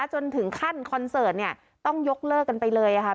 จนถึงขั้นคอนเสิร์ตเนี่ยต้องยกเลิกกันไปเลยค่ะ